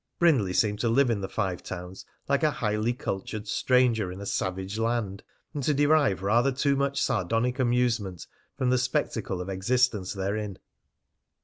Brindley seemed to live in the Five Towns like a highly cultured stranger in a savage land, and to derive rather too much sardonic amusement from the spectacle of existence therein.